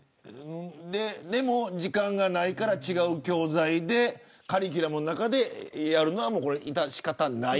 でも時間がないから違う教材でカリキュラムの中でやるのは致し方ないと。